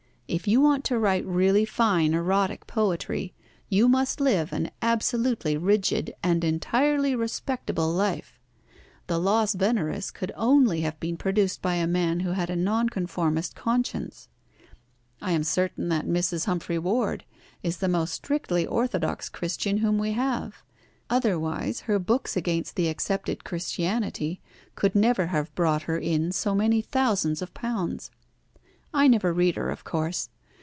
If you want to write really fine erotic poetry, you must live an absolutely rigid and entirely respectable life. The 'Laus Veneris' could only have been produced by a man who had a Nonconformist conscience. I am certain that Mrs. Humphrey Ward is the most strictly orthodox Christian whom we have. Otherwise, her books against the accepted Christianity could never have brought her in so many thousands of pounds. I never read her, of course.